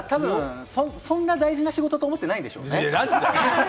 そんな大事な仕事だと思ってないでしょ？